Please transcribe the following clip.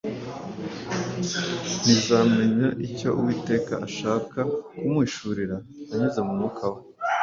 ntizamenya icyo Uwiteka ashaka kumuhishurira anyuze mu mwuka we!